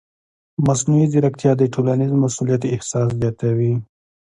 مصنوعي ځیرکتیا د ټولنیز مسؤلیت احساس زیاتوي.